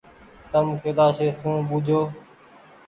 تم ڪيلآشي سون ٻوجو ۔